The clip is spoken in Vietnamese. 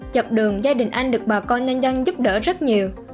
chập đường gia đình anh được bà con nhân dân giúp đỡ rất nhiều